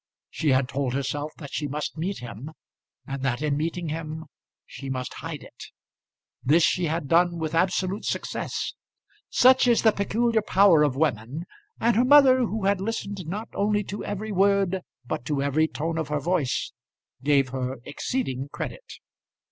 She had told herself that she must meet him, and that in meeting him she must hide it. This she had done with absolute success. Such is the peculiar power of women; and her mother, who had listened not only to every word, but to every tone of her voice, gave her exceeding credit.